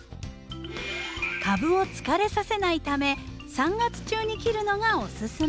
株を疲れさせないため３月中に切るのがおすすめ。